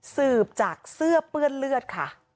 สืบจากเสื้อเปื้อนเลือดค่ะ